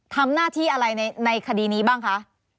ทำหน้าที่อะไรในคดีนี้บ้างคะ